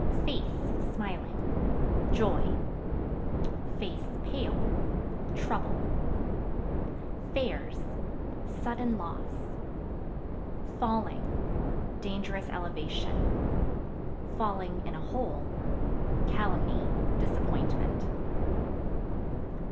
F Face (Smiling) joy; (pale) trouble. Fairs Sudden loss. Falling Dangerous elevation; (in a hole) calumny, disappointment.